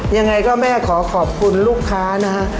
ยังไงก็แม่ขอขอบคุณลูกค้านะฮะ